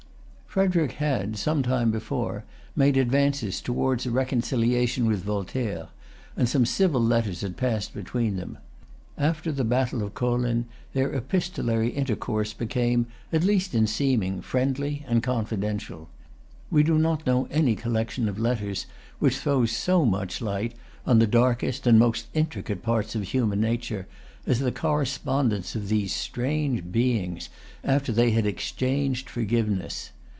Frederic had some time before made advances towards a reconciliation with Voltaire; and some civil letters had passed between them. After the battle of Kolin their epistolary intercourse became, at least in seeming, friendly and confidential. We do not know any collection of letters which throws so much light on the darkest and most intricate parts of human nature as the correspondence of these strange beings after they had exchanged forgiveness.